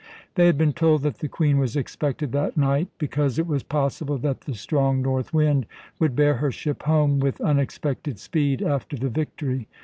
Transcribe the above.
They had been told that the Queen was expected that night, because it was possible that the strong north wind would bear her ship home with unexpected speed after the victory.